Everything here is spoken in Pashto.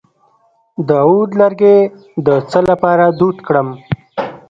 د عود لرګی د څه لپاره دود کړم؟